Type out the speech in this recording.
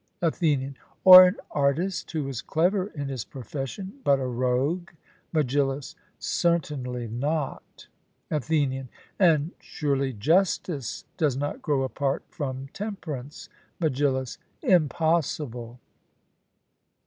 ATHENIAN: Or an artist, who was clever in his profession, but a rogue? MEGILLUS: Certainly not. ATHENIAN: And surely justice does not grow apart from temperance? MEGILLUS: Impossible.